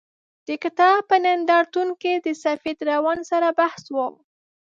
د کتاب په نندارتون کې د سفید روان سره بحث و.